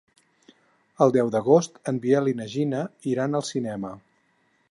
El deu d'agost en Biel i na Gina iran al cinema.